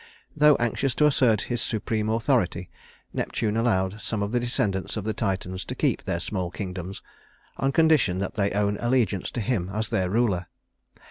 Though anxious to assert his supreme authority, Neptune allowed some of the descendants of the Titans to keep their small kingdoms, on condition that they own allegiance to him as their ruler.